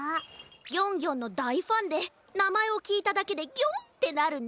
ギョンギョンのだいファンでなまえをきいただけでギョン！ってなるんだ。